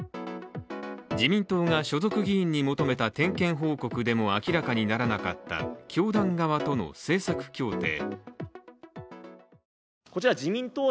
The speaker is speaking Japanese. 自民党が所属議員に求めた点検報告でも明らかにならなかった教団側との政策協定。